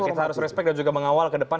kita harus respect dan juga mengawal ke depan